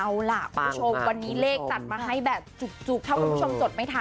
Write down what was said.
เอาล่ะคุณผู้ชมวันนี้เลขจัดมาให้แบบจุกถ้าคุณผู้ชมจดไม่ทัน